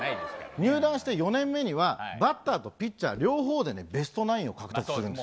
入団して４年目にはバッターとピッチャー両方でベストナインを獲得するんです。